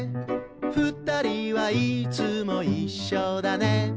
「ふたりはいつもいっしょだね」